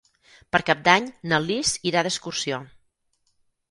Per Cap d'Any na Lis irà d'excursió.